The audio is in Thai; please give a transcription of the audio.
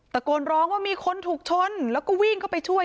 ตะโกนร้องว่ามีคนถูกชนแล้วก็วิ่งเข้าไปช่วย